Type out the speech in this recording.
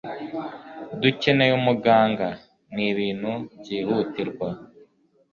Dukeneye umuganga. Ni ibintu byihutirwa.